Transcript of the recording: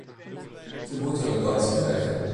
Ze moeten een kans krijgen.